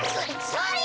それ！